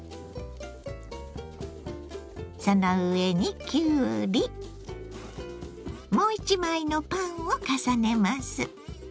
その上にきゅうりもう１枚のパンを重ねます。